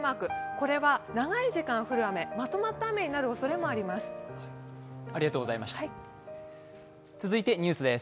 これは長い時間降る雨、まとまった雨になるおそれもあります。